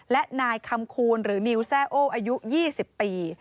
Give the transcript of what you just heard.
และนายคำคูณหรือนิวแซ่โออายุ๒๐ปี